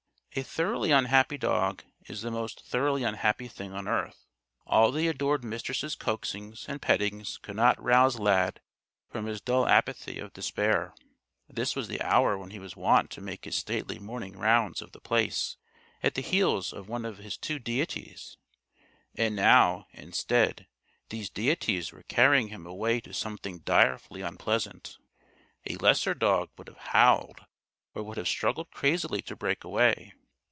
A thoroughly unhappy dog is the most thoroughly unhappy thing on earth. All the adored Mistress' coaxings and pettings could not rouse Lad from his dull apathy of despair. This was the hour when he was wont to make his stately morning rounds of The Place, at the heels of one of his two deities. And now, instead, these deities were carrying him away to something direfully unpleasant. A lesser dog would have howled or would have struggled crazily to break away.